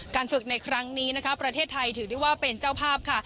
การฝึกในครั้งนี้ประเทศไทยถือว่าเป็นเจ้าภาพ